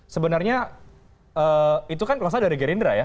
sebenarnya itu kan kelompoknya dari gerindra ya